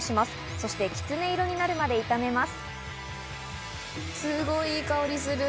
そして、きつね色になるまで炒めます。